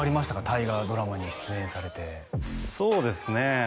大河ドラマに出演されてそうですね